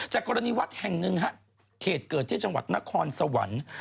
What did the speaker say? กรณีวัดแห่งหนึ่งฮะเขตเกิดที่จังหวัดนครสวรรค์